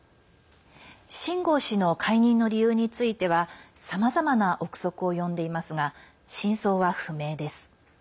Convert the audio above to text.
秦剛氏の解任の理由についてはさまざまな憶測を呼んでいますが真相は不明です。